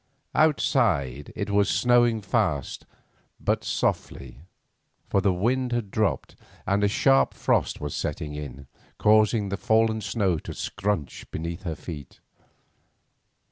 Outside it was still snowing fast, but softly, for the wind had dropped, and a sharp frost was setting in, causing the fallen snow to scrunch beneath her feet.